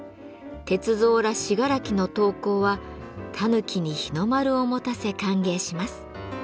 銕造ら信楽の陶工はたぬきに日の丸を持たせ歓迎します。